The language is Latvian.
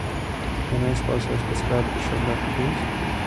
Vai neizklausījās pēc kāda, kurš agrāk te bijis?